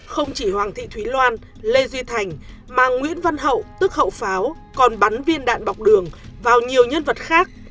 không chỉ hoàng thị thúy loan lê duy thành mà nguyễn văn hậu tức hậu pháo còn bắn viên đạn bọc đường vào nhiều nhân vật khác